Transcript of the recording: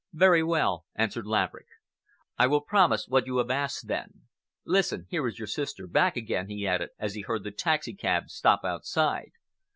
"Very well," answered Laverick, "I will promise what you have asked, then. Listen—here is your sister back again," he added, as he heard the taxicab stop outside.